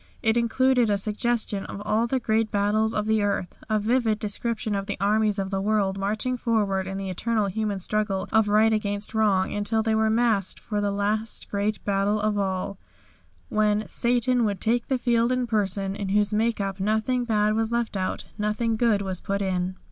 It included a suggestion of all the great battles of the earth, a vivid description of the armies of the world marching forward in the eternal human struggle of right against wrong until they were masked for the last great battle of all, when "Satan would take the field in person, in whose make up nothing bad was left out, nothing good was put in."